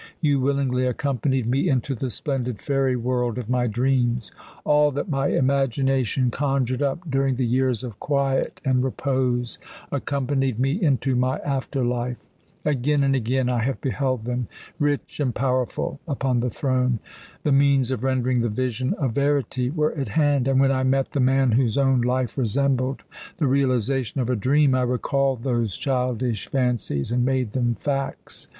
You willingly accompanied me into the splendid fairy world of my dreams. All that my imagination conjured up during the years of quiet and repose accompanied me into my after life. Again and again I have beheld them, rich and powerful, upon the throne. The means of rendering the vision a verity were at hand; and when I met the man whose own life resembled the realization of a dream, I recalled those childish fancies and made them facts.